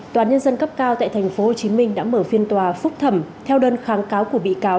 tòa nhân dân cấp cao tại tp hcm đã mở phiên tòa phúc thẩm theo đơn kháng cáo của bị cáo